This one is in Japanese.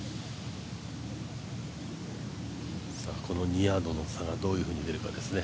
この２ヤードの差がどういうふうに出るかですね。